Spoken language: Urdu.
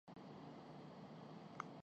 تحریر قابل رحم تھی اور مکالمہ ناقابل یقین تھا